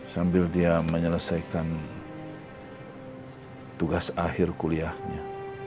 sambil dia menyelesaikan tugas akhir kuliahnya